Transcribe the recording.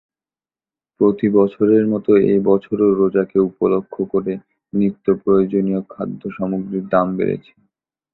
প্রতিবছরের মতো এ বছরও রোজাকে উপলক্ষ করে নিত্যপ্রয়োজনীয় খাদ্যসামগ্রীর দাম বেড়েছে।